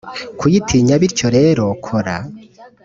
kuyitinya Bityo rero kora